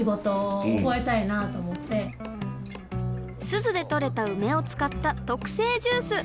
珠洲で採れた梅を使った特製ジュース。